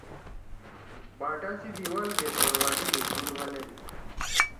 باٹا سی دیوال گے توروالی می کُور بنَدی۔